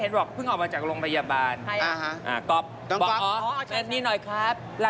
เดรกเพิ่งออกมาจากโรงพยาบาล